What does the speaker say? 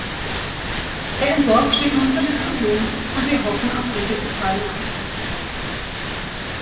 Der Entwurf steht nun zur Diskussion, und wir hoffen auf rege Beteiligung.